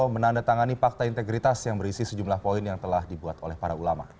menandatangani fakta integritas yang berisi sejumlah poin yang telah dibuat oleh para ulama